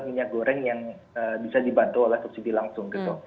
minyak goreng yang bisa dibantu oleh subsidi langsung gitu